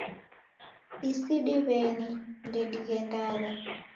Isi diw'eni ndedighendagha